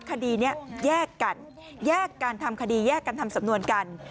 คดีนี้แยกกันแยกการทำคดีแยกกันทำสำนวนกัน